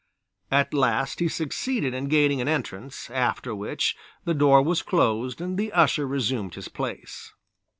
At last he succeeded in gaining an entrance, after which the door was closed and the usher resumed his place.